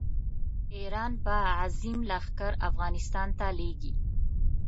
ایران به عظیم لښکر افغانستان ته لېږي.